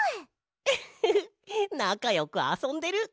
ウッフフなかよくあそんでる！